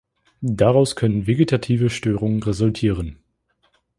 Daraus können vegetative Störungen resultieren.